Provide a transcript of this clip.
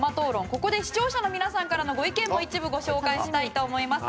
ここで視聴者の皆さんからのご意見をご紹介します。